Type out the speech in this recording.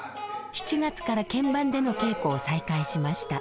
７月から見番での稽古を再開しました。